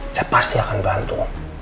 saya pasti akan bantu